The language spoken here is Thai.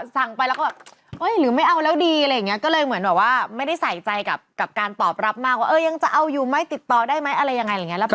สั่งไปแล้วก็แบบเอ้ยหรือไม่เอาแล้วดีอะไรอย่างนี้ก็เลยเหมือนแบบว่าไม่ได้ใส่ใจกับการตอบรับมากว่าเออยังจะเอาอยู่ไหมติดต่อได้ไหมอะไรยังไงอะไรอย่างนี้